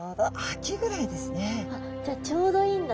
じゃあちょうどいいんだ。